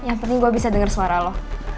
yang penting gue bisa dengar suara lo